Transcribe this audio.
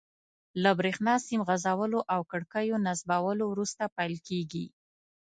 له بریښنا سیم غځولو او کړکیو نصبولو وروسته پیل کیږي.